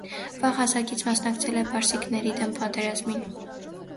Վաղ հասակից մասնակցել է պարսիկների դեմ պատերազմին։